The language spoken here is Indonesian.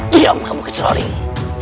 diam kamu kejar hari ini